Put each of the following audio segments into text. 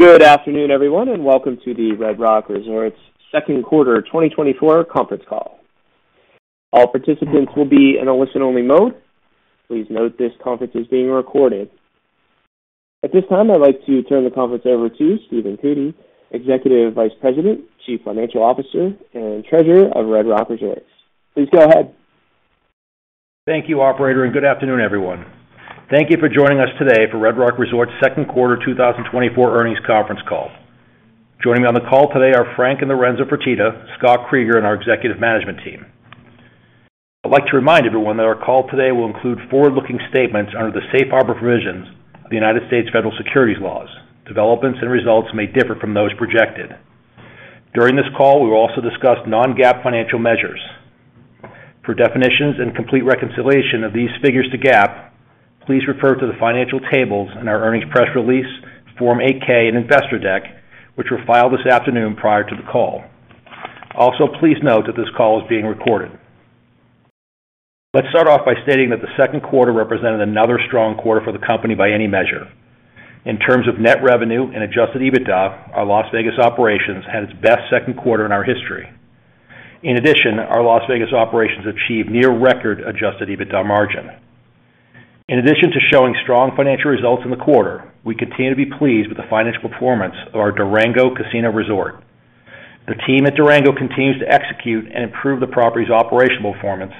Good afternoon, everyone, and welcome to the Red Rock Resorts second quarter 2024 conference call. All participants will be in a listen-only mode. Please note this conference is being recorded. At this time, I'd like to turn the conference over to Stephen Cootey, Executive Vice President, Chief Financial Officer, and Treasurer of Red Rock Resorts. Please go ahead. Thank you, operator, and good afternoon, everyone. Thank you for joining us today for Red Rock Resorts second quarter 2024 earnings conference call. Joining me on the call today are Frank and Lorenzo Fertitta, Scott Kreeger, and our executive management team. I'd like to remind everyone that our call today will include forward-looking statements under the Safe Harbor provisions of the United States federal securities laws. Developments and results may differ from those projected. During this call, we will also discuss non-GAAP financial measures. For definitions and complete reconciliation of these figures to GAAP, please refer to the financial tables in our earnings press release, Form 8-K and Investor Deck, which were filed this afternoon prior to the call. Also, please note that this call is being recorded. Let's start off by stating that the second quarter represented another strong quarter for the company by any measure. In terms of net revenue and Adjusted EBITDA, our Las Vegas operations had its best second quarter in our history. In addition, our Las Vegas operations achieved near record Adjusted EBITDA margin. In addition to showing strong financial results in the quarter, we continue to be pleased with the financial performance of our Durango Casino Resort. The team at Durango continues to execute and improve the property's operational performance,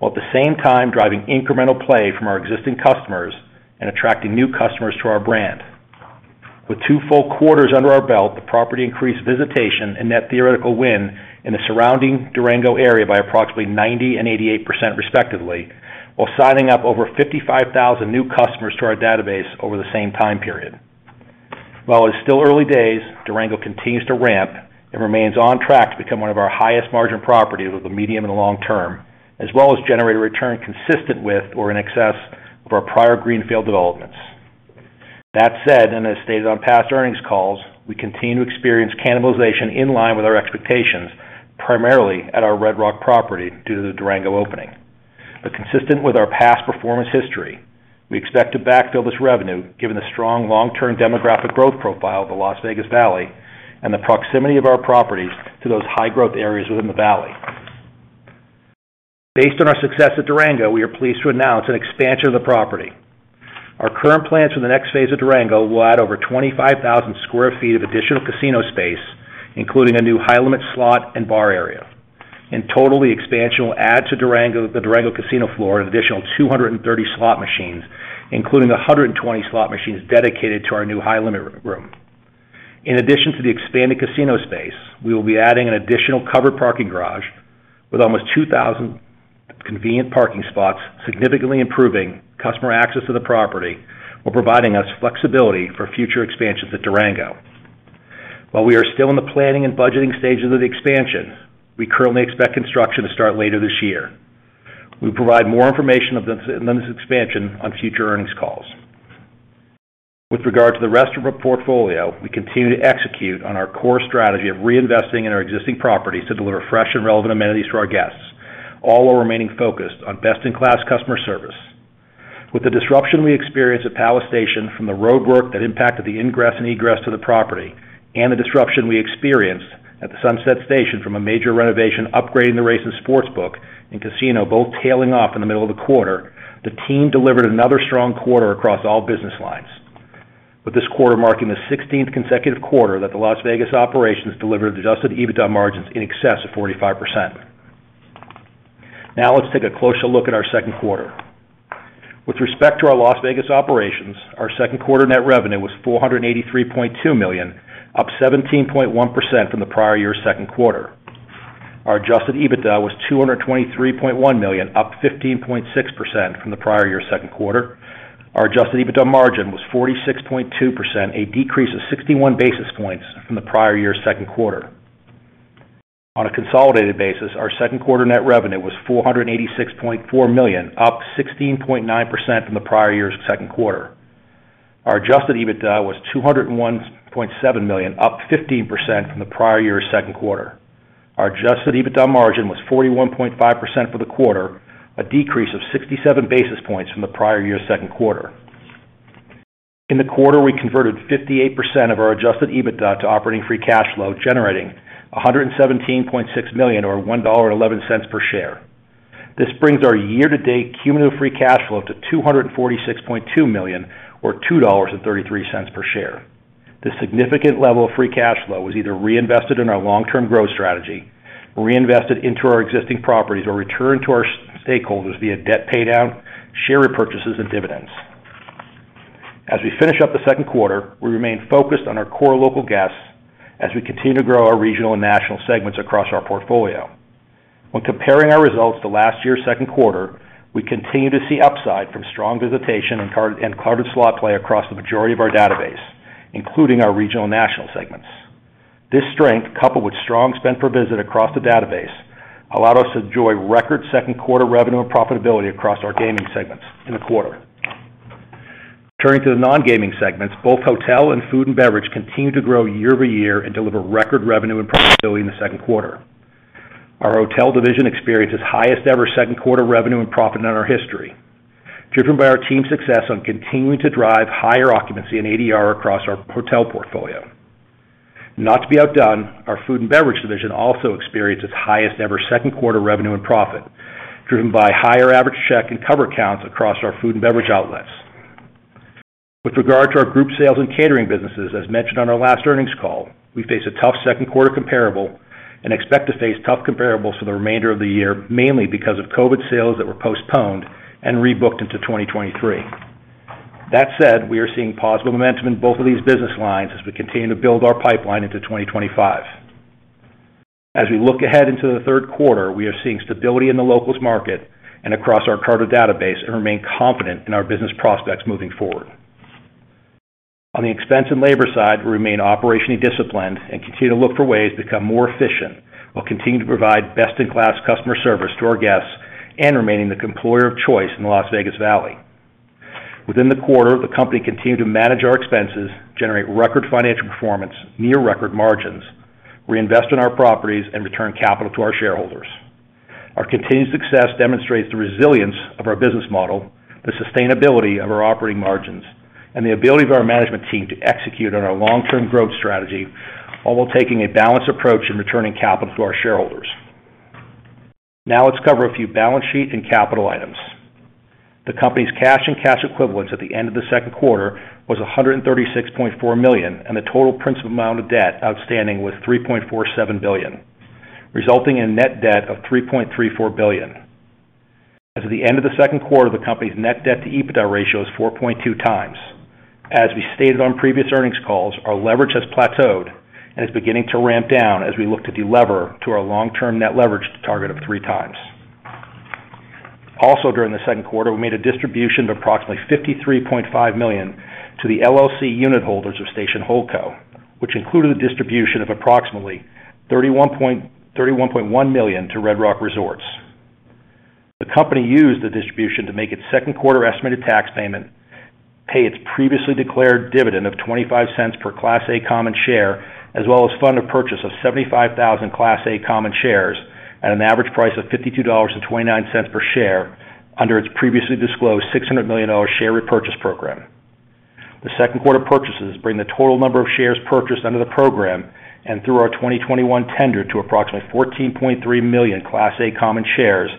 while at the same time driving incremental play from our existing customers and attracting new customers to our brand. With two full quarters under our belt, the property increased visitation and net theoretical win in the surrounding Durango area by approximately 90% and 88%, respectively, while signing up over 55,000 new customers to our database over the same time period. While it's still early days, Durango continues to ramp and remains on track to become one of our highest margin properties with the medium and long term, as well as generate a return consistent with or in excess of our prior greenfield developments. That said, and as stated on past earnings calls, we continue to experience cannibalization in line with our expectations, primarily at our Red Rock property, due to the Durango opening. But consistent with our past performance history, we expect to backfill this revenue, given the strong long-term demographic growth profile of the Las Vegas Valley and the proximity of our properties to those high-growth areas within the valley. Based on our success at Durango, we are pleased to announce an expansion of the property. Our current plans for the next phase of Durango will add over 25,000 sq ft of additional casino space, including a new high-limit slot and bar area. In total, the expansion will add to Durango, the Durango Casino floor, an additional 230 slot machines, including 120 slot machines dedicated to our new high-limit room. In addition to the expanded casino space, we will be adding an additional covered parking garage with almost 2,000 convenient parking spots, significantly improving customer access to the property, while providing us flexibility for future expansions at Durango. While we are still in the planning and budgeting stages of the expansion, we currently expect construction to start later this year. We'll provide more information of this, on this expansion on future earnings calls. With regard to the rest of our portfolio, we continue to execute on our core strategy of reinvesting in our existing properties to deliver fresh and relevant amenities to our guests, all while remaining focused on best-in-class customer service. With the disruption we experienced at Palace Station from the roadwork that impacted the ingress and egress to the property and the disruption we experienced at the Sunset Station from a major renovation, upgrading the Racing Sports Book and casino, both tailing off in the middle of the quarter, the team delivered another strong quarter across all business lines. With this quarter marking the sixteenth consecutive quarter that the Las Vegas operations delivered Adjusted EBITDA margins in excess of 45%. Now, let's take a closer look at our second quarter. With respect to our Las Vegas operations, our second quarter net revenue was $483.2 million, up 17.1% from the prior year's second quarter. Our adjusted EBITDA was $223.1 million, up 15.6% from the prior year's second quarter. Our adjusted EBITDA margin was 46.2%, a decrease of 61 basis points from the prior year's second quarter. On a consolidated basis, our second quarter net revenue was $486.4 million, up 16.9% from the prior year's second quarter. Our adjusted EBITDA was $201.7 million, up 15% from the prior year's second quarter. Our adjusted EBITDA margin was 41.5% for the quarter, a decrease of 67 basis points from the prior year's second quarter. In the quarter, we converted 58% of our Adjusted EBITDA to operating free cash flow, generating $117.6 million, or $1.11 per share. This brings our year-to-date cumulative free cash flow to $246.2 million, or $2.33 per share. This significant level of free cash flow was either reinvested in our long-term growth strategy, reinvested into our existing properties, or returned to our stakeholders via debt paydown, share repurchases, and dividends. As we finish up the second quarter, we remain focused on our core local guests as we continue to grow our regional and national segments across our portfolio. When comparing our results to last year's second quarter, we continue to see upside from strong visitation and carded slot play across the majority of our database, including our regional and national segments. This strength, coupled with strong spend per visit across the database, allowed us to enjoy record second quarter revenue and profitability across our gaming segments in the quarter. Turning to the non-gaming segments, both hotel and food and beverage continued to grow year-over-year and deliver record revenue and profitability in the second quarter. Our hotel division experienced its highest-ever second quarter revenue and profit in our history, driven by our team's success on continuing to drive higher occupancy and ADR across our hotel portfolio. Not to be outdone, our food and beverage division also experienced its highest-ever second quarter revenue and profit, driven by higher average check and cover counts across our food and beverage outlets. With regard to our Group Sales and Catering businesses, as mentioned on our last earnings call, we face a tough second quarter comparable and expect to face tough comparables for the remainder of the year, mainly because of COVID sales that were postponed and rebooked into 2023. That said, we are seeing positive momentum in both of these business lines as we continue to build our pipeline into 2025. As we look ahead into the third quarter, we are seeing stability in the locals market and across our customer database and remain confident in our business prospects moving forward. On the expense and labor side, we remain operationally disciplined and continue to look for ways to become more efficient, while continuing to provide best-in-class customer service to our guests and remaining the employer of choice in the Las Vegas Valley. Within the quarter, the company continued to manage our expenses, generate record financial performance, near-record margins, reinvest in our properties, and return capital to our shareholders. Our continued success demonstrates the resilience of our business model, the sustainability of our operating margins, and the ability of our management team to execute on our long-term growth strategy, all while taking a balanced approach in returning capital to our shareholders. Now let's cover a few balance sheet and capital items. The company's cash and cash equivalents at the end of the second quarter was $136.4 million, and the total principal amount of debt outstanding was $3.47 billion, resulting in net debt of $3.34 billion. As of the end of the second quarter, the company's net debt to EBITDA ratio is 4.2 times. As we stated on previous earnings calls, our leverage has plateaued and is beginning to ramp down as we look to delever to our long-term net leverage target of 3 times. Also, during the second quarter, we made a distribution of approximately $53.5 million to the LLC unit holders of Station Holdco, which included a distribution of approximately $31.1 million to Red Rock Resorts. The company used the distribution to make its second quarter estimated tax payment, pay its previously declared dividend of 25 cents per Class A common share, as well as fund a purchase of 75,000 Class A common shares at an average price of $52.29 per share, under its previously disclosed $600 million share repurchase program. The second quarter purchases bring the total number of shares purchased under the program and through our 2021 tender to approximately 14.3 million Class A common shares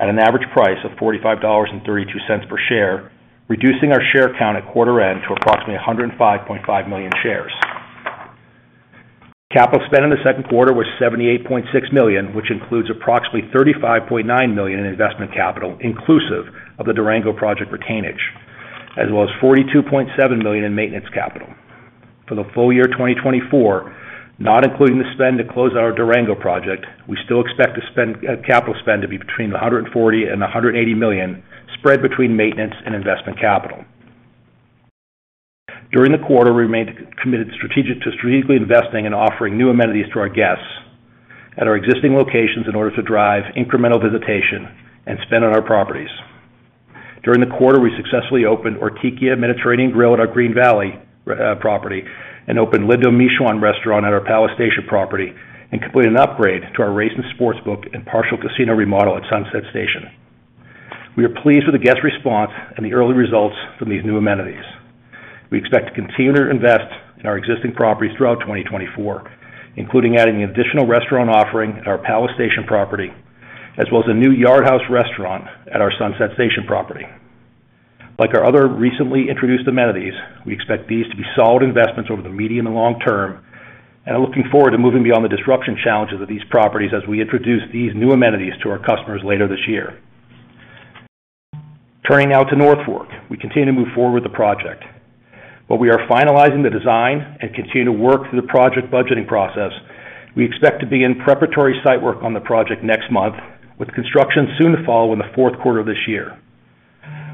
at an average price of $45.32 per share, reducing our share count at quarter end to approximately 105.5 million shares. Capital spend in the second quarter was $78.6 million, which includes approximately $35.9 million in investment capital, inclusive of the Durango Project retainage, as well as $42.7 million in maintenance capital. For the full year 2024, not including the spend to close our Durango project, we still expect to spend, capital spend to be between $140 million and $180 million, spread between maintenance and investment capital. During the quarter, we remained committed to strategically investing and offering new amenities to our guests at our existing locations in order to drive incremental visitation and spend on our properties. During the quarter, we successfully opened Ortikia Mediterranean Grill at our Green Valley property and opened Lindo Michoacán restaurant at our Palace Station property and completed an upgrade to our racing sports book and partial casino remodel at Sunset Station. We are pleased with the guest response and the early results from these new amenities. We expect to continue to invest in our existing properties throughout 2024, including adding additional restaurant offering at our Palace Station property, as well as a new Yard House restaurant at our Sunset Station property. Like our other recently introduced amenities, we expect these to be solid investments over the medium and long term, and are looking forward to moving beyond the disruption challenges of these properties as we introduce these new amenities to our customers later this year. Turning now to North Fork. We continue to move forward with the project, but we are finalizing the design and continue to work through the project budgeting process. We expect to be in preparatory site work on the project next month, with construction soon to follow in the fourth quarter of this year.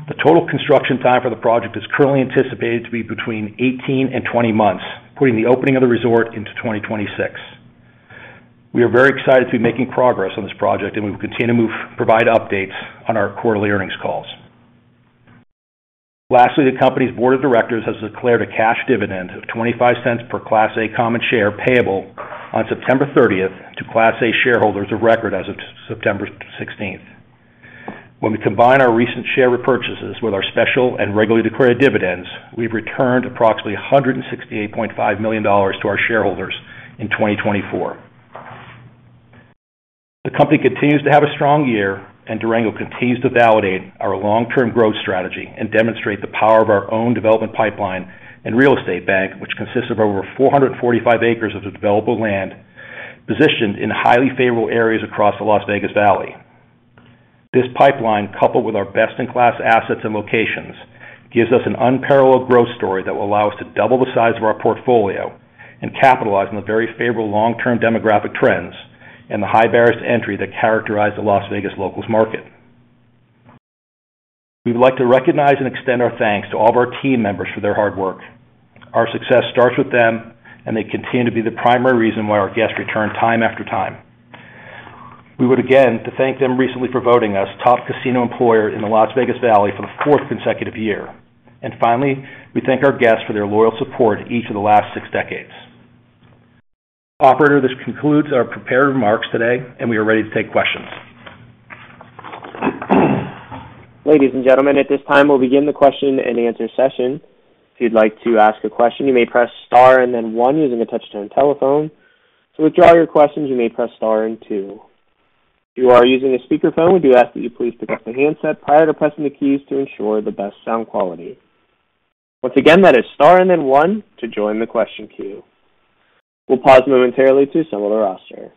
The total construction time for the project is currently anticipated to be between 18 and 20 months, putting the opening of the resort into 2026. We are very excited to be making progress on this project, and we will continue to provide updates on our quarterly earnings calls. Lastly, the company's board of directors has declared a cash dividend of $0.25 per Class A common share, payable on September thirtieth to Class A shareholders of record as of September sixteenth. When we combine our recent share repurchases with our special and regularly declared dividends, we've returned approximately $168.5 million to our shareholders in 2024. The company continues to have a strong year, and Durango continues to validate our long-term growth strategy and demonstrate the power of our own development pipeline and real estate bank, which consists of over 445 acres of developable land, positioned in highly favorable areas across the Las Vegas Valley. This pipeline, coupled with our best-in-class assets and locations, gives us an unparalleled growth story that will allow us to double the size of our portfolio and capitalize on the very favorable long-term demographic trends and the high barriers to entry that characterize the Las Vegas locals market. We'd like to recognize and extend our thanks to all of our team members for their hard work. Our success starts with them, and they continue to be the primary reason why our guests return time after time. We would again, to thank them recently for voting us Top Casino Employer in the Las Vegas Valley for the fourth consecutive year. And finally, we thank our guests for their loyal support each of the last six decades. Operator, this concludes our prepared remarks today, and we are ready to take questions. Ladies and gentlemen, at this time, we'll begin the question-and-answer session. If you'd like to ask a question, you may press Star and then one using a touchtone telephone. To withdraw your questions, you may press Star and two. If you are using a speakerphone, we do ask that you please pick up the handset prior to pressing the keys to ensure the best sound quality. Once again, that is Star and then one to join the question queue. We'll pause momentarily to assemble the roster.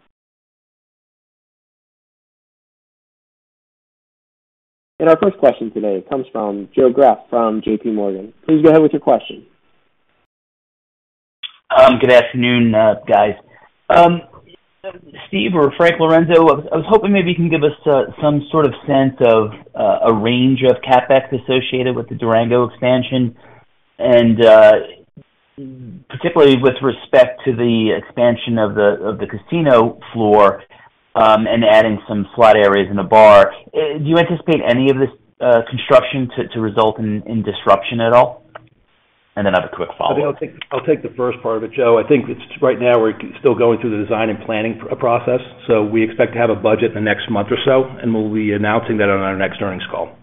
Our first question today comes from Joe Graff from J.P. Morgan. Please go ahead with your question. Good afternoon, guys. Steve, or Frank, Lorenzo, I was hoping maybe you can give us some sort of sense of a range of CapEx associated with the Durango expansion, and particularly with respect to the expansion of the casino floor, and adding some slot areas in the bar. Do you anticipate any of this construction to result in disruption at all? And then I have a quick follow-up. I'll take the first part of it, Joe. I think it's right now, we're still going through the design and planning process, so we expect to have a budget in the next month or so, and we'll be announcing that on our next earnings call.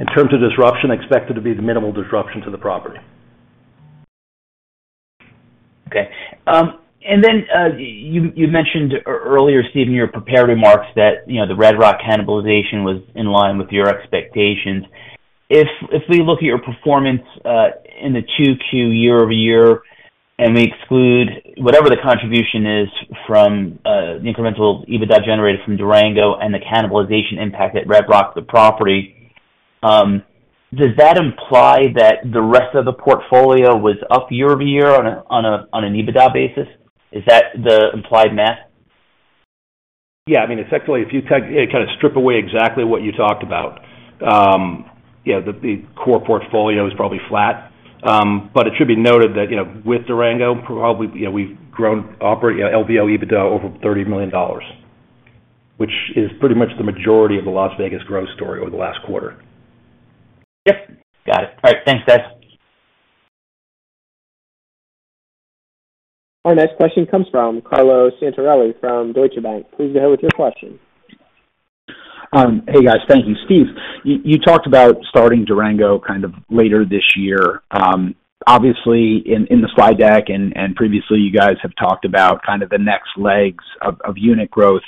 In terms of disruption, expect it to be the minimal disruption to the property. Okay. And then, you mentioned earlier, Steve, in your prepared remarks that, you know, the Red Rock cannibalization was in line with your expectations. If we look at your performance in the 2Q year-over-year, and we exclude whatever the contribution is from the incremental EBITDA generated from Durango and the cannibalization impact at Red Rock, the property, does that imply that the rest of the portfolio was up year-over-year on an EBITDA basis? Is that the implied math? Yeah. I mean, effectively, if you kind of strip away exactly what you talked about, yeah, the core portfolio is probably flat. But it should be noted that, you know, with Durango, probably, you know, we've grown operating LVO EBITDA over $30 million, which is pretty much the majority of the Las Vegas growth story over the last quarter. Yep, got it. All right, thanks, guys. Our next question comes from Carlo Santarelli from Deutsche Bank. Please go ahead with your question. Hey, guys. Thank you. Steve, you talked about starting Durango kind of later this year. Obviously, in the slide deck and previously, you guys have talked about kind of the next legs of unit growth.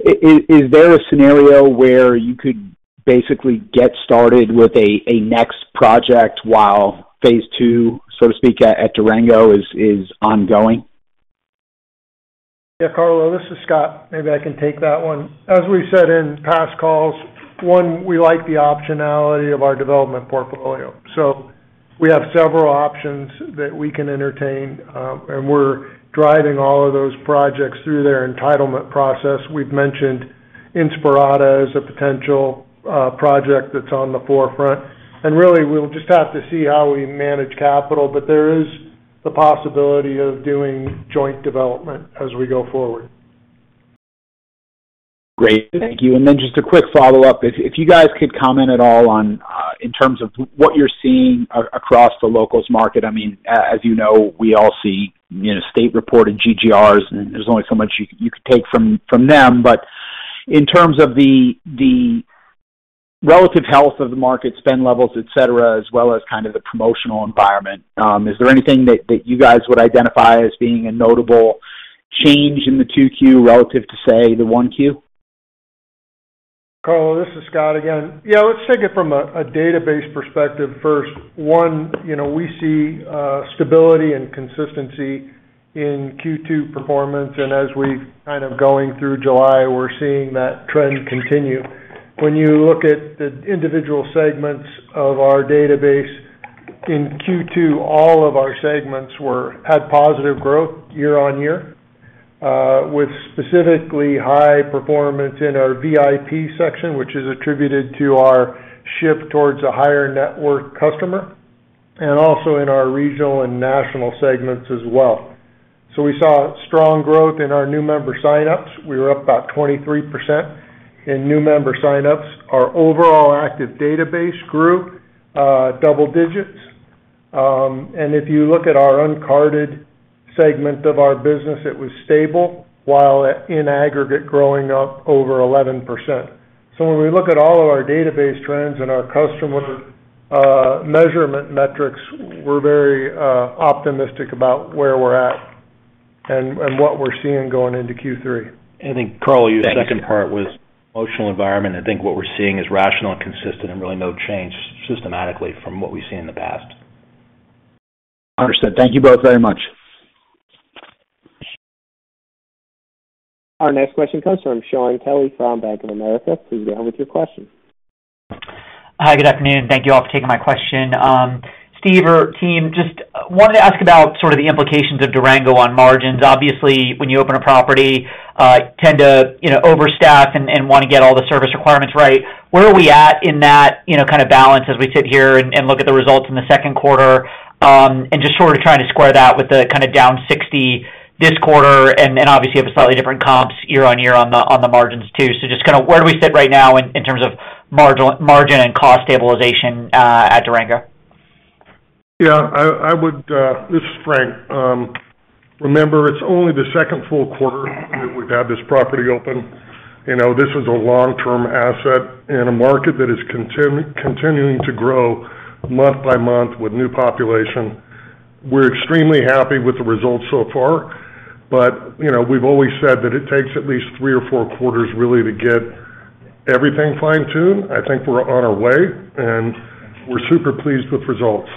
Is there a scenario where you could basically get started with a next project while phase two, so to speak, at Durango is ongoing? Yeah, Carlo, this is Scott. Maybe I can take that one. As we said in past calls, one, we like the optionality of our development portfolio. So we have several options that we can entertain, and we're driving all of those projects through their entitlement process. We've mentioned Inspirada as a potential project that's on the forefront, and really, we'll just have to see how we manage capital. But there is the possibility of doing joint development as we go forward. Great, thank you. Then just a quick follow-up. If you guys could comment at all on, in terms of what you're seeing across the locals market, I mean, as you know, we all see, you know, state-reported GGRs, and there's only so much you could take from them. But in terms of the relative health of the market, spend levels, et cetera, as well as kind of the promotional environment, is there anything that you guys would identify as being a notable change in the 2Q relative to, say, the 1Q? Carlo, this is Scott again. Yeah, let's take it from a database perspective first. One, you know, we see stability and consistency in Q2 performance, and as we've kind of going through July, we're seeing that trend continue. When you look at the individual segments of our database in Q2, all of our segments had positive growth year-over-year, with specifically high performance in our VIP section, which is attributed to our shift towards a higher-net-worth customer, and also in our regional and national segments as well. So we saw strong growth in our new member signups. We were up about 23% in new member signups. Our overall active database grew double digits, and if you look at our uncarded segment of our business, it was stable, while in aggregate, growing up over 11%. So when we look at all of our database trends and our customer measurement metrics, we're very optimistic about where we're at and what we're seeing going into Q3. I think, Carlo, your second part was economic environment. I think what we're seeing is rational and consistent and really no change systematically from what we've seen in the past. Understood. Thank you both very much. Our next question comes from Sean Kelly from Bank of America. Please go ahead with your question. Hi, good afternoon. Thank you all for taking my question. Steve or team, just wanted to ask about sort of the implications of Durango on margins. Obviously, when you open a property, you tend to, you know, overstaff and want to get all the service requirements right. Where are we at in that, you know, kind of balance as we sit here and look at the results in the second quarter? And just sort of trying to square that with the kind of down 60 this quarter and obviously have a slightly different comps year-over-year on the margins too. So just kind of where do we sit right now in terms of margin and cost stabilization at Durango? ... Yeah, this is Frank. Remember, it's only the second full quarter that we've had this property open. You know, this is a long-term asset in a market that is continuing to grow month by month with new population. We're extremely happy with the results so far, but, you know, we've always said that it takes at least three or four quarters, really, to get everything fine-tuned. I think we're on our way, and we're super pleased with results.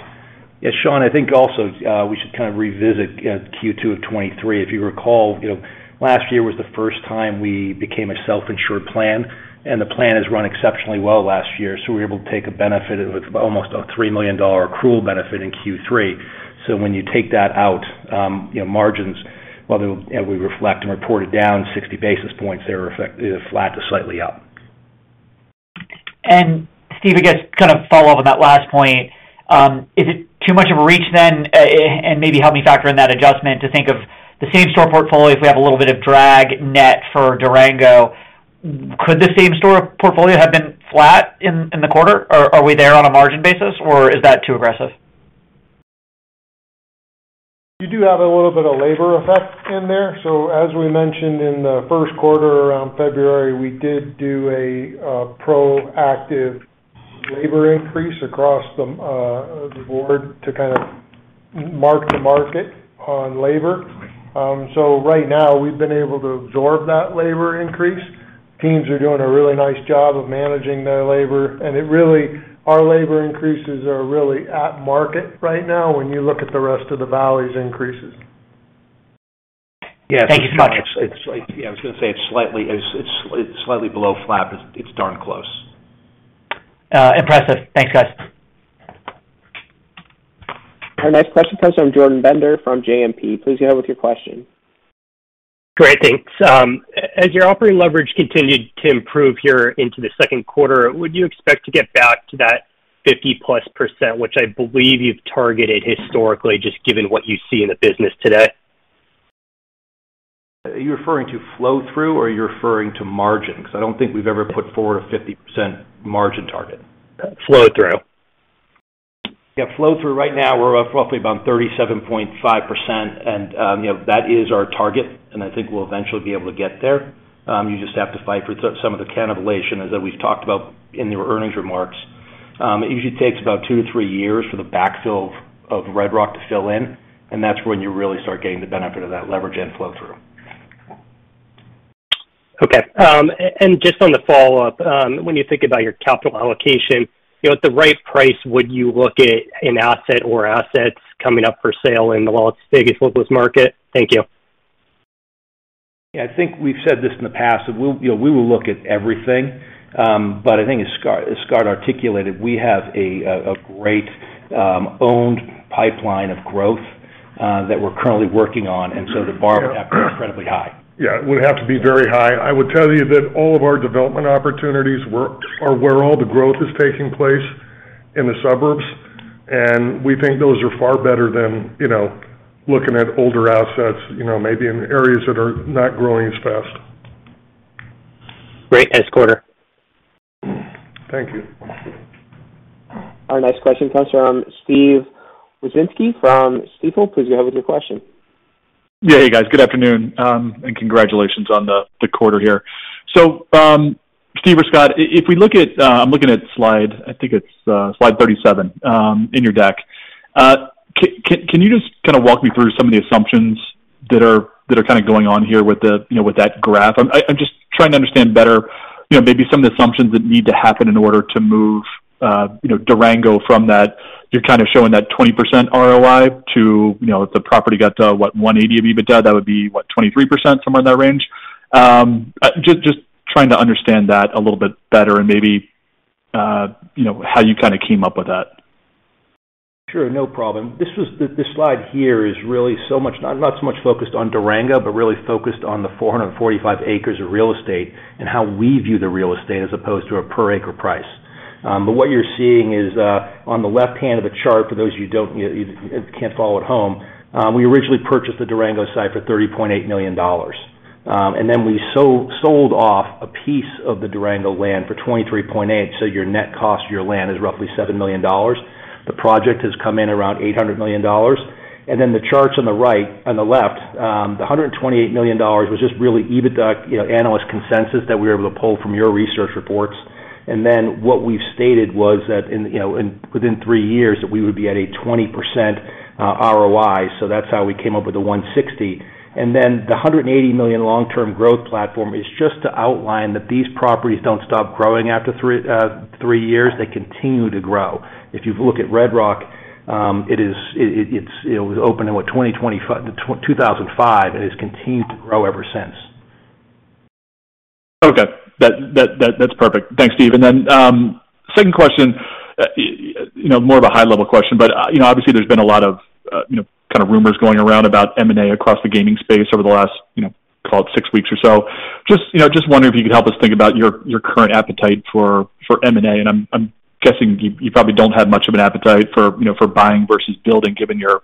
Yeah, Sean, I think also we should kind of revisit Q2 of 2023. If you recall, you know, last year was the first time we became a self-insured plan, and the plan has run exceptionally well last year, so we were able to take a benefit of almost a $3 million accrual benefit in Q3. So when you take that out, you know, margins, well, then, and we reflect and report it down 60 basis points, they were effectively flat to slightly up. Steve, I guess, kind of follow up on that last point, is it too much of a reach then, and maybe help me factor in that adjustment to think of the same store portfolio, if we have a little bit of drag net for Durango, could the same store portfolio have been flat in the quarter? Or are we there on a margin basis, or is that too aggressive? You do have a little bit of labor effect in there. So as we mentioned in the first quarter, around February, we did do a proactive labor increase across the board to kind of mark the market on labor. So right now, we've been able to absorb that labor increase. Teams are doing a really nice job of managing their labor, and it really, our labor increases are really at market right now when you look at the rest of the valley's increases. Thank you so much. Yeah, I was going to say it's slightly below flat. It's darn close. Impressive. Thanks, guys. Our next question comes from Jordan Bender from JMP. Please go ahead with your question. Great. Thanks. As your operating leverage continued to improve here into the second quarter, would you expect to get back to that 50%+, which I believe you've targeted historically, just given what you see in the business today? Are you referring to flow-through, or are you referring to margins? I don't think we've ever put forward a 50% margin target. Flow-through. Yeah, flow-through, right now, we're roughly about 37.5%, and, you know, that is our target, and I think we'll eventually be able to get there. You just have to fight for some of the cannibalization, as that we've talked about in the earnings remarks. It usually takes about 2-3 years for the backfill of Red Rock to fill in, and that's when you really start getting the benefit of that leverage and flow-through. Okay, and just on the follow-up, when you think about your capital allocation, you know, at the right price, would you look at an asset or assets coming up for sale in the Las Vegas locals market? Thank you. Yeah, I think we've said this in the past, and we'll, you know, we will look at everything, but I think as Scott articulated, we have a great owned pipeline of growth that we're currently working on, and so the bar would have to be incredibly high. Yeah, it would have to be very high. I would tell you that all of our development opportunities are where all the growth is taking place in the suburbs, and we think those are far better than, you know, looking at older assets, you know, maybe in areas that are not growing as fast. Great. Nice quarter. Thank you. Our next question comes from Steve Wieczynski from Stifel. Please go ahead with your question. Yeah, hey, guys. Good afternoon, and congratulations on the quarter here. So, Steve or Scott, if we look at... I'm looking at slide 37 in your deck. Can you just kind of walk me through some of the assumptions that are kind of going on here with the, you know, with that graph? I'm just trying to understand better, you know, maybe some of the assumptions that need to happen in order to move, you know, Durango from that. You're kind of showing that 20% ROI to, you know, if the property got to, what, 180 of EBITDA, that would be, what, 23%, somewhere in that range? Just trying to understand that a little bit better and maybe, you know, how you kinda came up with that. Sure, no problem. This was the slide here is really so much not so much focused on Durango, but really focused on the 445 acres of real estate and how we view the real estate as opposed to a per acre price. But what you're seeing is on the left hand of the chart, for those of you who can't follow at home, we originally purchased the Durango site for $30.8 million. And then we sold off a piece of the Durango land for $23.8 million, so your net cost of your land is roughly $7 million. The project has come in around $800 million. Then the charts on the right, on the left, the $128 million was just really EBITDA, you know, analyst consensus that we were able to pull from your research reports. What we've stated was that in, you know, within three years, that we would be at a 20% ROI, so that's how we came up with the $160 million. The $180 million long-term growth platform is just to outline that these properties don't stop growing after three years. They continue to grow. If you look at Red Rock, it's, you know, it opened in what, 2005, and it's continued to grow ever since. Okay. That's perfect. Thanks, Steve. And then, second question, you know, more of a high-level question, but, you know, obviously, there's been a lot of, you know, kind of rumors going around about M&A across the gaming space over the last, you know, call it six weeks or so. Just, you know, just wondering if you could help us think about your current appetite for M&A, and I'm guessing you probably don't have much of an appetite for, you know, for buying versus building, given your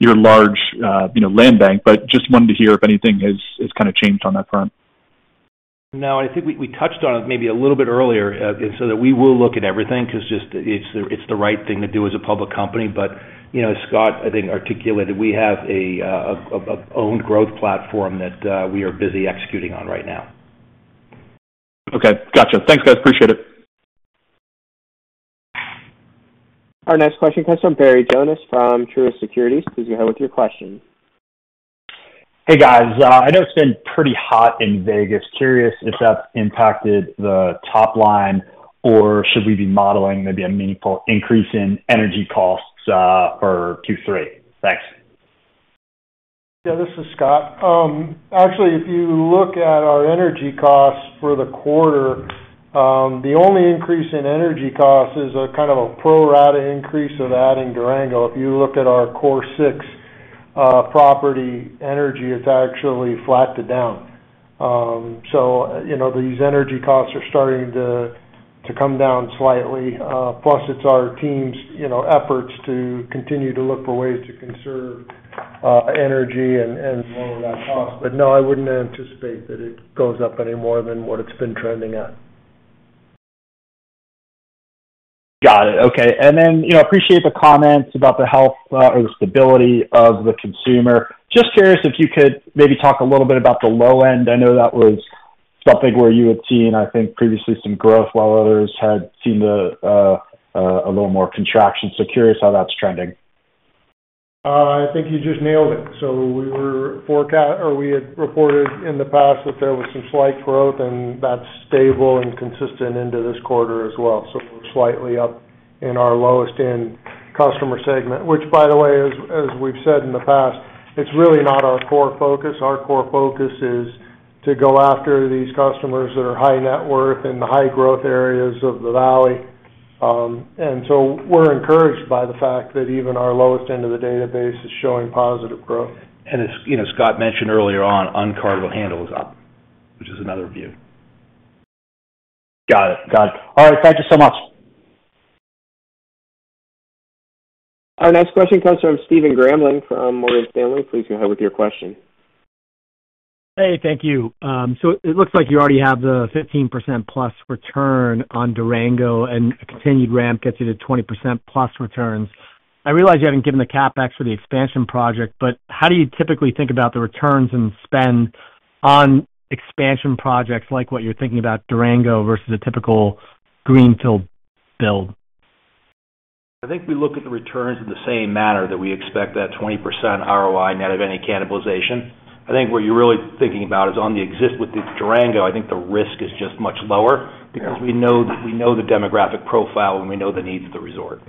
large, you know, land bank. But just wanted to hear if anything has kind of changed on that front. ... No, I think we touched on it maybe a little bit earlier, and so we will look at everything, 'cause it's the right thing to do as a public company. But, you know, Scott, I think articulated we have an owned growth platform that we are busy executing on right now. Okay, gotcha. Thanks, guys. Appreciate it. Our next question comes from Barry Jonas from Truist Securities. Please go ahead with your question. Hey, guys. I know it's been pretty hot in Vegas. Curious if that's impacted the top line, or should we be modeling maybe a meaningful increase in energy costs, for Q3? Thanks. Yeah, this is Scott. Actually, if you look at our energy costs for the quarter, the only increase in energy costs is a kind of a pro rata increase of adding Durango. If you look at our core six, property energy, it's actually flattened down. So, you know, these energy costs are starting to, to come down slightly. Plus it's our team's, you know, efforts to continue to look for ways to conserve, energy and, and lower that cost. But no, I wouldn't anticipate that it goes up any more than what it's been trending at. Got it. Okay. And then, you know, appreciate the comments about the health, or the stability of the consumer. Just curious if you could maybe talk a little bit about the low end. I know that was something where you had seen, I think, previously some growth, while others had seen the, a little more contraction. So curious how that's trending. I think you just nailed it. So we had reported in the past that there was some slight growth, and that's stable and consistent into this quarter as well. So we're slightly up in our lowest-end customer segment, which, by the way, as we've said in the past, it's really not our core focus. Our core focus is to go after these customers that are high net worth and the high growth areas of the valley. And so we're encouraged by the fact that even our lowest end of the database is showing positive growth. And as you know, Scott mentioned earlier on, uncardable handle is up, which is another view. Got it. Got it. All right. Thank you so much. Our next question comes from Stephen Grambling from Morgan Stanley. Please go ahead with your question. Hey, thank you. So it looks like you already have the 15%+ return on Durango, and a continued ramp gets you to 20%+ returns. I realize you haven't given the CapEx for the expansion project, but how do you typically think about the returns and spend on expansion projects like what you're thinking about Durango versus a typical greenfield build? I think we look at the returns in the same manner that we expect that 20% ROI net of any cannibalization. I think what you're really thinking about is on the exist-- with the Durango, I think the risk is just much lower- Yeah. - because we know, we know the demographic profile, and we know the needs of the resort.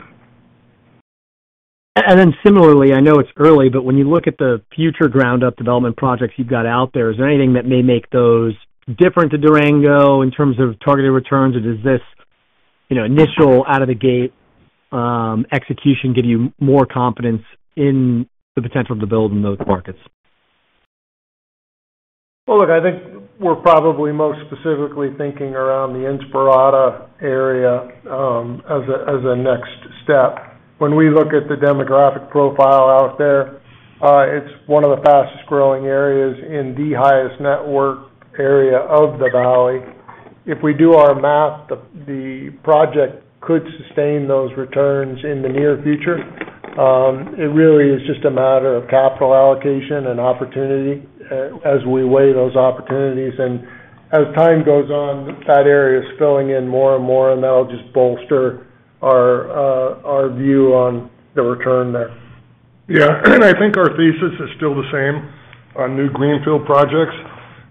And then similarly, I know it's early, but when you look at the future ground-up development projects you've got out there, is there anything that may make those different to Durango in terms of targeted returns, or does this, you know, initial out-of-the-gate execution, give you more confidence in the potential to build in those markets? Well, look, I think we're probably most specifically thinking around the Inspirada area, as a, as a next step. When we look at the demographic profile out there, it's one of the fastest growing areas in the highest net worth area of the valley. If we do our math, the project could sustain those returns in the near future. It really is just a matter of capital allocation and opportunity, as we weigh those opportunities. And as time goes on, that area is filling in more and more, and that'll just bolster our, our view on the return there. Yeah. I think our thesis is still the same on new greenfield projects,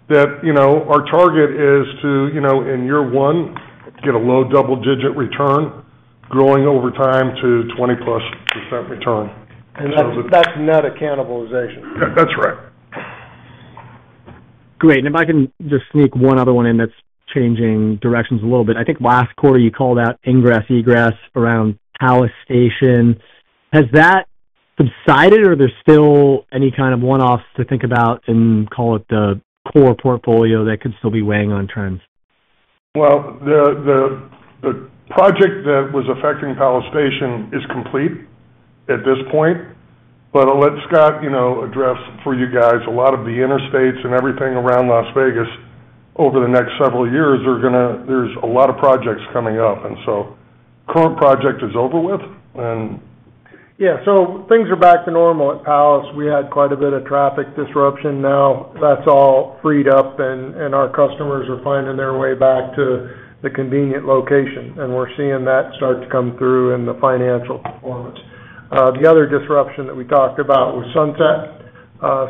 that, you know, our target is to, you know, in year one, get a low double-digit return, growing over time to 20%+ return. And that's net of cannibalization. That's right. Great. And if I can just sneak one other one in that's changing directions a little bit. I think last quarter, you called out ingress, egress around Palace Station. Has that subsided, or are there still any kind of one-offs to think about and call it the core portfolio that could still be weighing on trends? Well, the project that was affecting Palace Station is complete at this point, but I'll let Scott, you know, address for you guys. A lot of the interstates and everything around Las Vegas over the next several years are gonna, there's a lot of projects coming up, and so current project is over with, and... Yeah, so things are back to normal at Palace. We had quite a bit of traffic disruption. Now, that's all freed up, and our customers are finding their way back to the convenient location, and we're seeing that start to come through in the financial performance. The other disruption that we talked about was Sunset.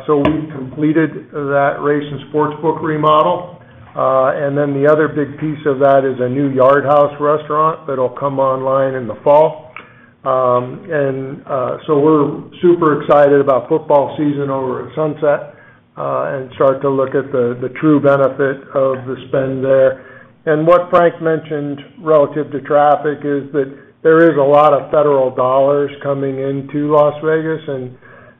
So we've completed that race and sportsbook remodel. And then the other big piece of that is a new Yard House restaurant that'll come online in the fall. And so we're super excited about football season over at Sunset, and start to look at the true benefit of the spend there. What Frank mentioned relative to traffic is that there is a lot of federal dollars coming into Las Vegas, and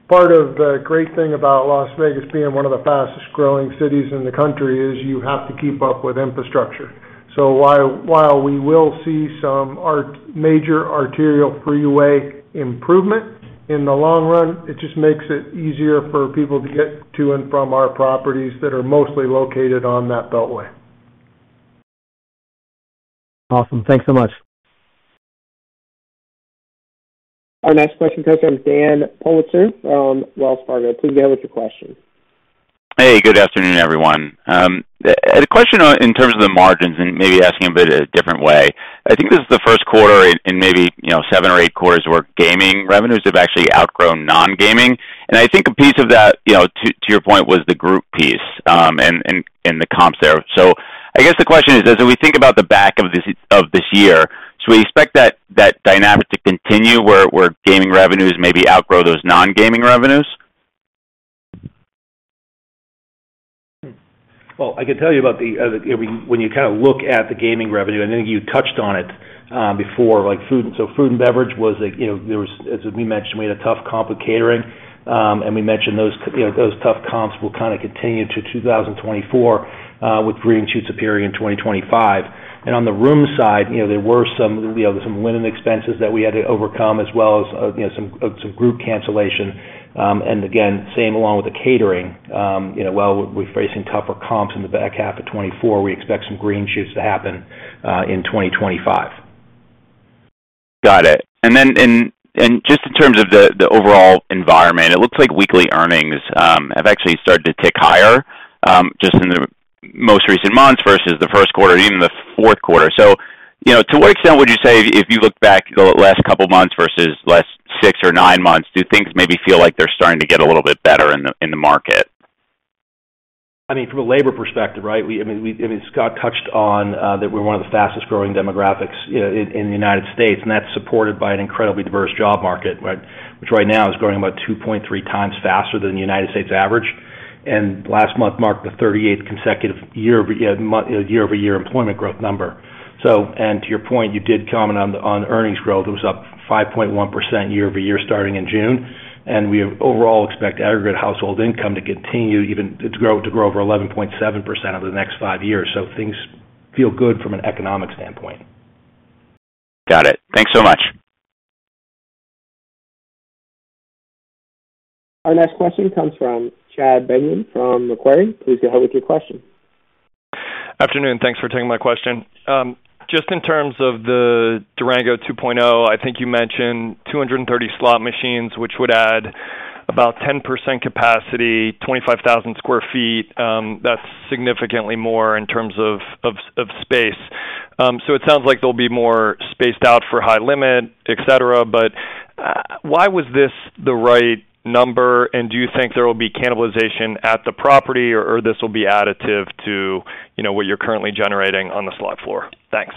part of the great thing about Las Vegas being one of the fastest growing cities in the country is you have to keep up with infrastructure. So while we will see some arterial major freeway improvement, in the long run, it just makes it easier for people to get to and from our properties that are mostly located on that beltway.... Awesome. Thanks so much. Our next question comes from Dan Politzer from Wells Fargo. Please go ahead with your question. Hey, good afternoon, everyone. A question on, in terms of the margins, and maybe asking a bit different way. I think this is the first quarter in maybe, you know, seven or eight quarters where gaming revenues have actually outgrown non-gaming. And I think a piece of that, you know, to your point, was the group piece, and the comps there. So I guess the question is, as we think about the back of this year, should we expect that dynamic to continue, where gaming revenues maybe outgrow those non-gaming revenues? Well, I can tell you about the, I mean, when you kind of look at the gaming revenue, I think you touched on it, before, like food. So food and beverage was like, you know, there was, as we mentioned, we had a tough comp with catering. And we mentioned those, you know, those tough comps will kind of continue to 2024, with green shoots appearing in 2025. And on the room side, you know, there were some, you know, some linen expenses that we had to overcome, as well as, you know, some, some group cancellation. And again, same along with the catering. You know, while we're facing tougher comps in the back half of 2024, we expect some green shoots to happen, in 2025. Got it. And then just in terms of the overall environment, it looks like weekly earnings have actually started to tick higher just in the most recent months versus the first quarter, even the fourth quarter. So, you know, to what extent would you say, if you look back the last couple of months versus last six or nine months, do things maybe feel like they're starting to get a little bit better in the market? I mean, from a labor perspective, right? We, I mean, we, I mean, Scott touched on that we're one of the fastest growing demographics, you know, in, in the United States, and that's supported by an incredibly diverse job market, right? Which right now is growing about 2.3 times faster than the United States average. And last month marked the 38th consecutive year-over-year employment growth number. So, and to your point, you did comment on the, on earnings growth. It was up 5.1% year-over-year, starting in June. And we overall expect aggregate household income to continue even to grow, to grow over 11.7% over the next five years. So things feel good from an economic standpoint. Got it. Thanks so much. Our next question comes from Chad Beynon from Macquarie. Please go ahead with your question. Afternoon. Thanks for taking my question. Just in terms of the Durango 2.0, I think you mentioned 230 slot machines, which would add about 10% capacity, 25,000 sq ft. That's significantly more in terms of space. So it sounds like they'll be more spaced out for high-limit, et cetera. But why was this the right number? And do you think there will be cannibalization at the property, or this will be additive to, you know, what you're currently generating on the slot floor? Thanks.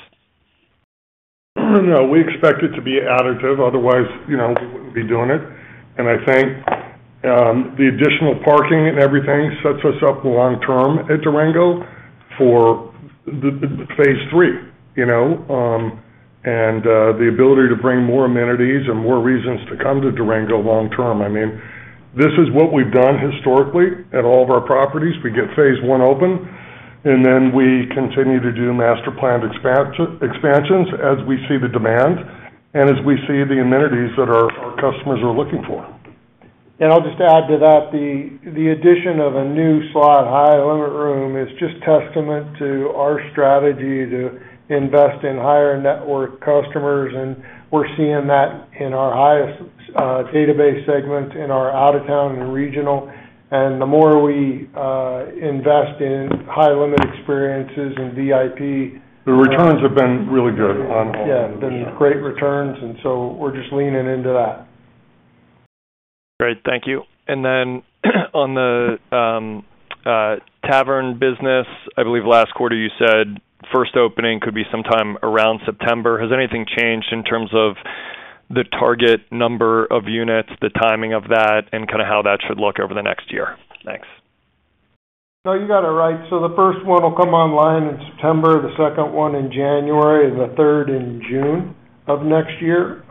No, we expect it to be additive, otherwise, you know, we wouldn't be doing it. And I think, the additional parking and everything sets us up long term at Durango for the phase three, you know, and, the ability to bring more amenities and more reasons to come to Durango long term. I mean, this is what we've done historically at all of our properties. We get phase one open, and then we continue to do master planned expansions as we see the demand and as we see the amenities that our customers are looking for. And I'll just add to that, the addition of a new slot high-limit room is just testament to our strategy to invest in higher net worth customers, and we're seeing that in our highest database segment, in our out-of-town and regional. And the more we invest in high-limit experiences and VIP. The returns have been really good on. Yeah, been great returns, and so we're just leaning into that. Great. Thank you. And then, on the tavern business, I believe last quarter you said first opening could be sometime around September. Has anything changed in terms of the target number of units, the timing of that, and kind of how that should look over the next year? Thanks. No, you got it right. So the first one will come online in September, the second one in January, and the third in June of next year.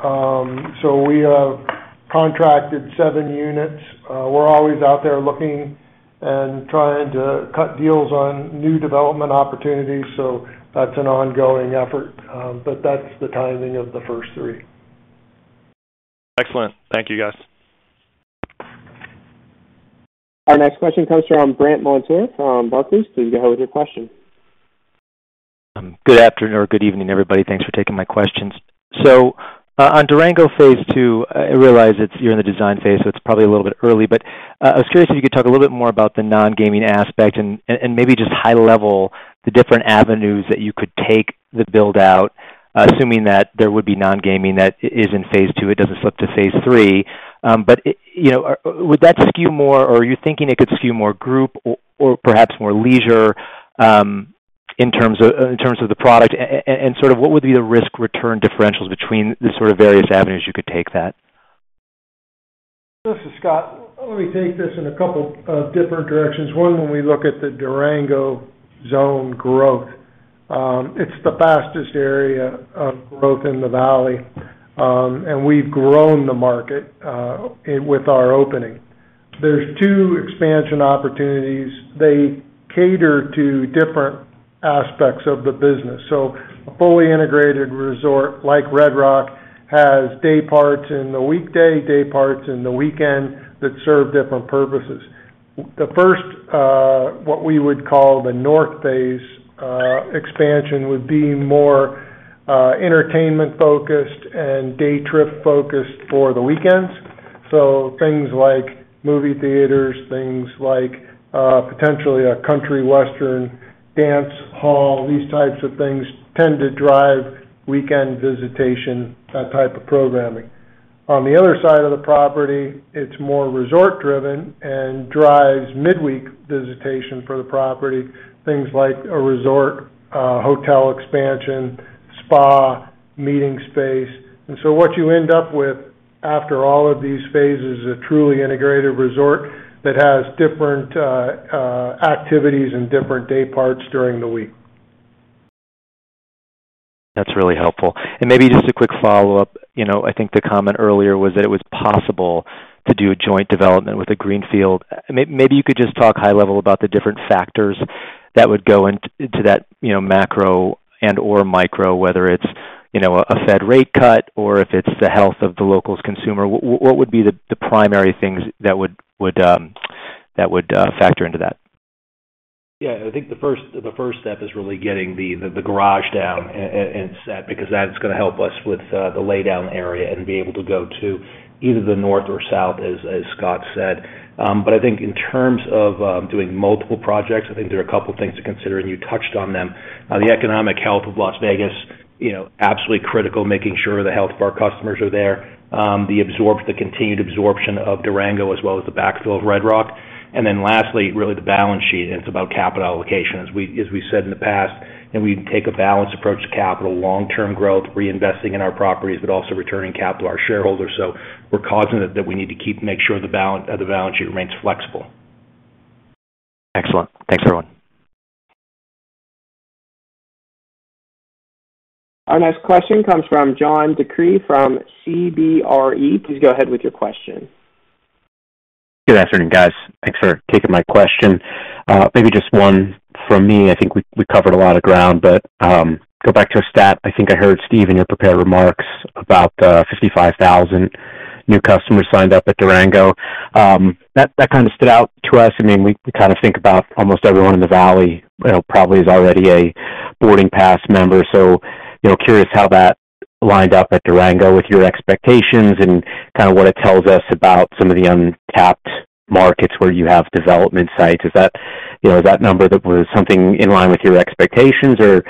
So we have contracted 7 units. We're always out there looking and trying to cut deals on new development opportunities, so that's an ongoing effort. But that's the timing of the first three. Excellent. Thank you, guys. Our next question comes from Brant Montour from Barclays. Please go ahead with your question. Good afternoon, or good evening, everybody. Thanks for taking my questions. So, on Durango phase two, I realize you're in the design phase, so it's probably a little bit early. But, I was curious if you could talk a little bit more about the non-gaming aspect and maybe just high level, the different avenues that you could take the build-out, assuming that there would be non-gaming that is in phase two, it doesn't slip to phase three. But, you know, would that skew more, or are you thinking it could skew more group or, or perhaps more leisure, in terms of the product? And sort of what would be the risk return differentials between the sort of various avenues you could take that? This is Scott. Let me take this in a couple of different directions. One, when we look at the Durango Zone growth, it's the fastest area of growth in the valley, and we've grown the market with our opening. There's two expansion opportunities. They cater to different aspects of the business. So a fully integrated resort like Red Rock has day parts in the weekday, day parts in the weekend that serve different purposes. The first, what we would call the north phase expansion, would be more entertainment-focused and day trip-focused for the weekends. So things like movie theaters, things like potentially a country western dance hall. These types of things tend to drive weekend visitation, that type of programming. On the other side of the property, it's more resort-driven and drives midweek visitation for the property, things like a resort, hotel expansion, spa, meeting space. And so what you end up with, after all of these phases, a truly integrated resort that has different, activities and different day parts during the week. That's really helpful. Maybe just a quick follow-up. You know, I think the comment earlier was that it was possible to do a joint development with a greenfield. Maybe you could just talk high level about the different factors that would go into that, you know, macro and/or micro, whether it's, you know, a Fed rate cut or if it's the health of the locals consumer. What would be the primary things that would factor into that? Yeah, I think the first step is really getting the garage down and set, because that's gonna help us with the laydown area and be able to go to either the north or south, as Scott said. But I think in terms of doing multiple projects, I think there are a couple things to consider, and you touched on them. The economic health of Las Vegas, you know, absolutely critical, making sure the health of our customers are there, the continued absorption of Durango, as well as the backfill of Red Rock. And then lastly, really the balance sheet, and it's about capital allocation. As we said in the past, that we take a balanced approach to capital, long-term growth, reinvesting in our properties, but also returning capital to our shareholders. So we're cognizant that we need to keep, make sure the balance sheet remains flexible. Excellent. Thanks, everyone. Our next question comes from John DeCree from CBRE. Please go ahead with your question. Good afternoon, guys. Thanks for taking my question. Maybe just one from me. I think we covered a lot of ground, but go back to a stat. I think I heard Steve in your prepared remarks about 55,000 new customers signed up at Durango. That kind of stood out to us. I mean, we kind of think about almost everyone in the valley, you know, probably is already a Boarding Pass member. So, you know, curious how that lined up at Durango with your expectations and kind of what it tells us about some of the untapped markets where you have development sites. Is that, you know, is that number that was something in line with your expectations, or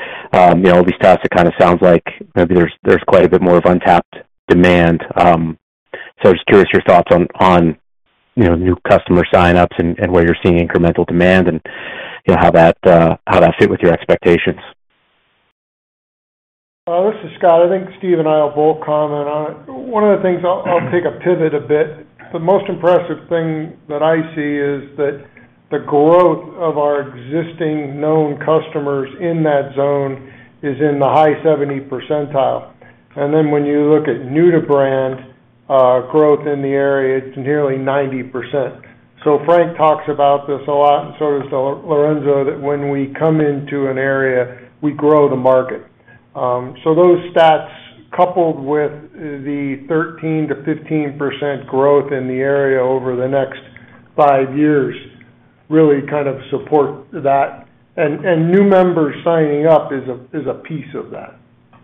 you know, these stats, it kind of sounds like maybe there's quite a bit more of untapped demand. So just curious your thoughts on, you know, new customer sign-ups and where you're seeing incremental demand and, you know, how that fit with your expectations? This is Scott. I think Steve and I will both comment on it. One of the things I'll take a pivot a bit. The most impressive thing that I see is that the growth of our existing known customers in that zone is in the high 70 percentile. And then when you look at new-to-brand growth in the area, it's nearly 90%. So Frank talks about this a lot, and so does Lorenzo, that when we come into an area, we grow the market. So those stats, coupled with the 13%-15% growth in the area over the next 5 years, really kind of support that. And new members signing up is a piece of that.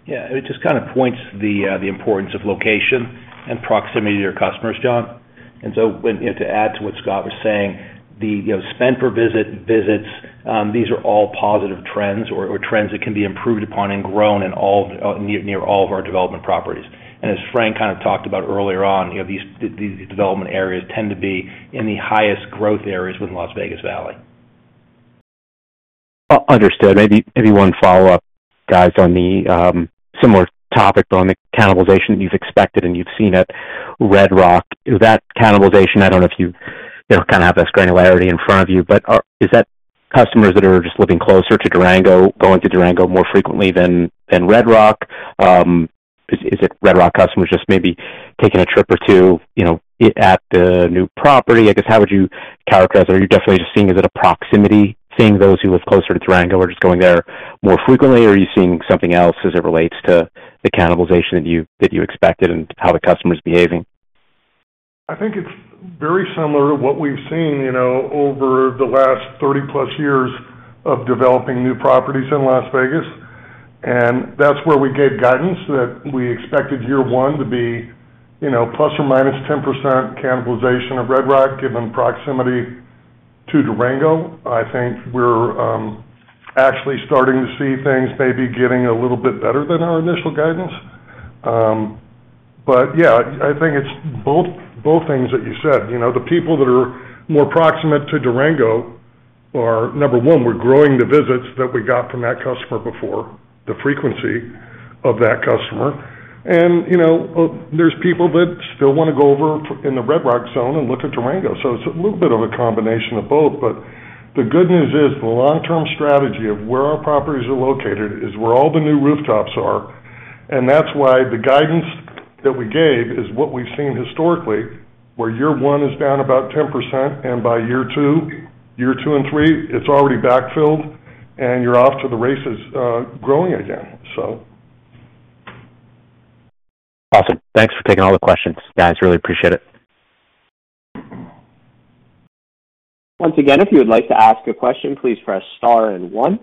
Yeah, it just kind of points to the importance of location and proximity to your customers, John. And so when—and to add to what Scott was saying, you know, spend per visit, visits, these are all positive trends or trends that can be improved upon and grown in all nearly all of our development properties. And as Frank kind of talked about earlier on, you know, these development areas tend to be in the highest growth areas within Las Vegas Valley. Understood. Maybe one follow-up, guys, on the similar topic on the cannibalization you've expected, and you've seen at Red Rock. That cannibalization, I don't know if you, you know, kind of have this granularity in front of you, but is that customers that are just living closer to Durango, going to Durango more frequently than Red Rock? Is it Red Rock customers just maybe taking a trip or two, you know, at the new property? I guess, how would you characterize that? Are you definitely just seeing as at a proximity, seeing those who live closer to Durango are just going there more frequently, or are you seeing something else as it relates to the cannibalization that you expected and how the customer's behaving? I think it's very similar to what we've seen, you know, over the last 30+ years of developing new properties in Las Vegas. And that's where we gave guidance that we expected year one to be, you know, ±10% cannibalization of Red Rock, given proximity to Durango. I think we're actually starting to see things maybe getting a little bit better than our initial guidance. But yeah, I think it's both, both things that you said. You know, the people that are more proximate to Durango are, number one, we're growing the visits that we got from that customer before, the frequency of that customer. And, you know, there's people that still want to go over in the Red Rock zone and look at Durango. So it's a little bit of a combination of both. The good news is, the long-term strategy of where our properties are located is where all the new rooftops are, and that's why the guidance that we gave is what we've seen historically, where year one is down about 10%, and by year two, year two and three, it's already backfilled, and you're off to the races, growing again, so.... Awesome. Thanks for taking all the questions, guys. Really appreciate it. Once again, if you would like to ask a question, please press star and one.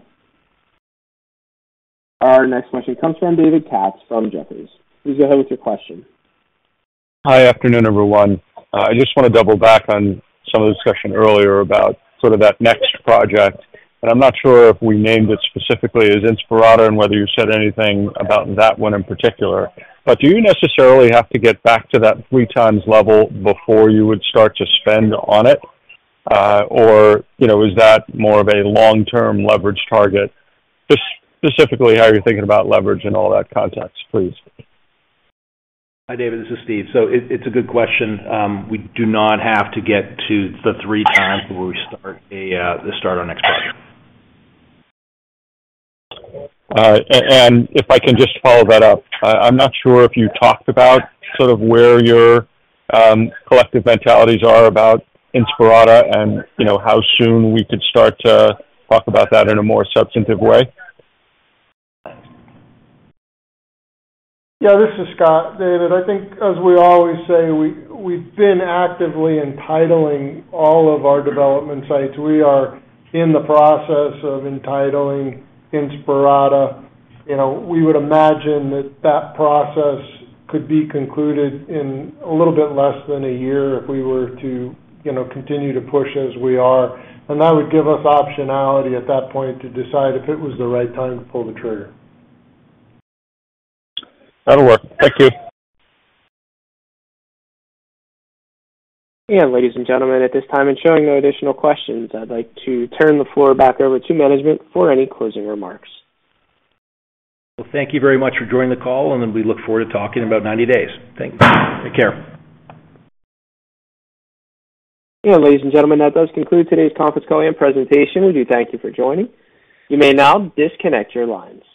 Our next question comes from David Katz from Jefferies. Please go ahead with your question. Hi. Afternoon, everyone. I just want to double back on some of the discussion earlier about sort of that next project, and I'm not sure if we named it specifically as Inspirada and whether you said anything about that one in particular. But do you necessarily have to get back to that 3x level before you would start to spend on it, or, you know, is that more of a long-term leverage target? Specifically, how are you thinking about leverage in all that context, please? Hi, David, this is Steve. So, it's a good question. We do not have to get to the three times where we start our next project. All right. And if I can just follow that up, I, I'm not sure if you talked about sort of where your collective mentalities are about Inspirada and, you know, how soon we could start to talk about that in a more substantive way? Yeah, this is Scott. David, I think as we always say, we've been actively entitling all of our development sites. We are in the process of entitling Inspirada. You know, we would imagine that that process could be concluded in a little bit less than a year if we were to, you know, continue to push as we are. That would give us optionality at that point to decide if it was the right time to pull the trigger. That'll work. Thank you. Ladies and gentlemen, at this time, and showing no additional questions, I'd like to turn the floor back over to management for any closing remarks. Well, thank you very much for joining the call, and then we look forward to talking in about 90 days. Thanks. Take care. Ladies and gentlemen, that does conclude today's conference call and presentation. We do thank you for joining. You may now disconnect your lines.